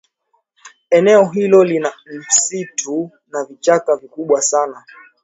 eneo hilo lina misitu na vichaka vikubwa sana